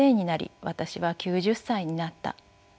私は９０歳になった。